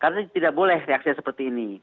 karena tidak boleh reaksinya seperti ini